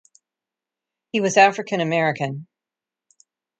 He was African American.